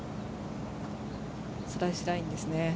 スライスラインですね。